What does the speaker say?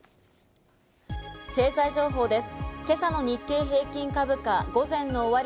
経済情報です。